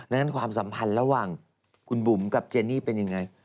ดังนั้นความสัมพันธ์ระหว่างคุณบุ๋มกับเจนี่เป็นยังไง